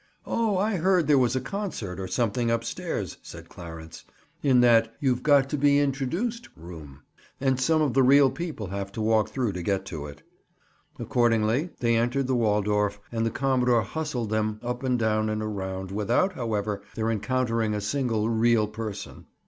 "Oh, I heard there was a concert, or something upstairs," said Clarence. "In that you've got to be introduced room! And some of the real people have to walk through to get to it." Accordingly they entered the Waldorf and the commodore hustled them up and down and around, without, however, their encountering a single "real" person.